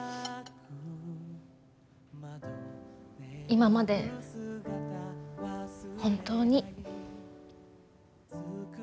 今まで本当に。